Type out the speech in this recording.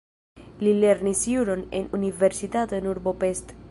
Li lernis juron en universitato en urbo Pest.